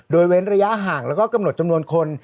โดยเว้นระยะห่างแล้วก็กำหนดจำนวนคน